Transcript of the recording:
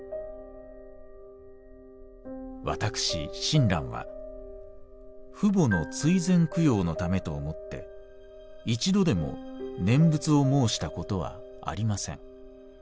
「私親鸞は父母の追善供養のためと思って一度でも念仏を申したことはありません。